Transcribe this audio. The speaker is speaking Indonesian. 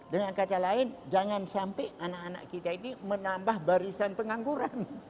dengan kata lain jangan sampai anak anak kita ini menambah barisan pengangguran